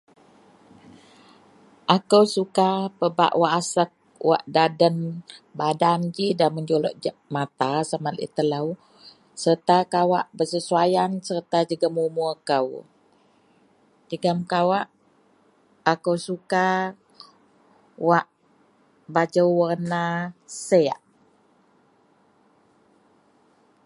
Akou suka pebak wasiek wak da den badan ji nda mejolok mata sama laei telo serta kawak kesuwayan serta jegem umor kou, jegem kawak akou suka wak bajou warna siek.